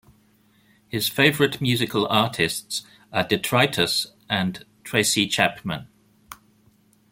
His favorite musical artists are Detritus and Tracy Chapman.